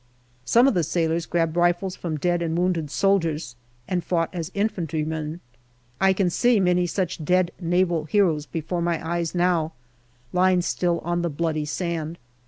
Some of the sailors grabbed rifles from dead and wounded soldiers and fought as infantrymen. I can see many such dead Naval heroes before my eyes now, lying still on the bloody sand.